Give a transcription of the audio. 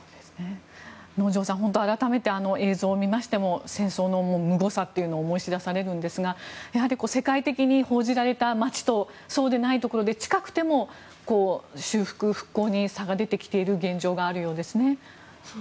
能條さん、改めて映像を見ましても戦争のむごさを思い知らされるんですが世界的に報じられた街とそうでないところで近くても修復復興に差があるところがあるようですね。